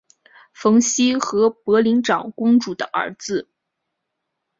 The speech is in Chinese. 冯熙和博陵长公主的儿子。